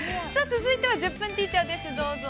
続いては「１０分ティーチャー」です、どうぞ。